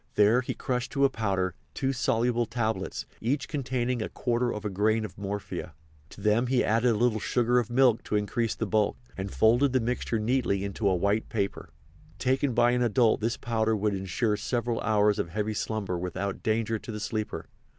There he crushed to a powder two soluble tablets, each containing a quarter of a grain of morphia. To them he added a little sugar of milk to increase the bulk, and folded the mixture neatly in a white paper. Taken by an adult this powder would insure several hours of heavy slumber without danger to the sleeper.